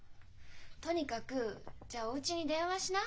とにかくじゃあおうちに電話しな。